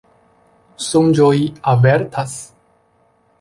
Sonĝoj avertas.